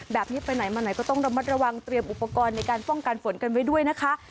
แบบนี้ไปไหนมาไหนก็ต้องระมัดระวังเตรียมอุปกรณ์ในการป้องกันฝนกันไว้ด้วยนะคะ